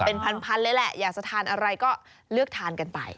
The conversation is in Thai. เป็นพันเลยแหละอยากจะทานอะไรก็เลือกทานกันไป